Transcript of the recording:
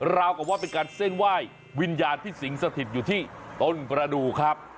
ราวกับว่าเป็นการเส้นไหว้วิญญาณที่สิงสถิตอยู่ที่ต้นประดูกครับ